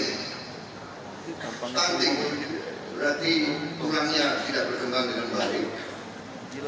kalau stunting berarti tulangnya tidak berkembang dengan baik